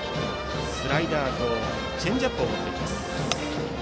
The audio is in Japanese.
スライダーとチェンジアップを持っています。